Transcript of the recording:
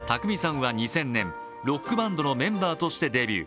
宅見さんは２０００年、ロックバンドのメンバーとしてデビュー。